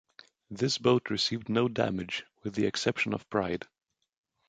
This boat received no damage with the exception of pride.